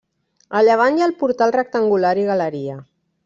A llevant hi ha el portal rectangular i galeria.